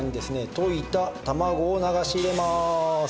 溶いた卵を流し入れます。